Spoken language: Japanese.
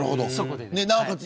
なおかつ